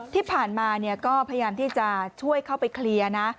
ที่ผ่านมาก็พยายามที่จะช่วยเข้าไปเคลียร์นะ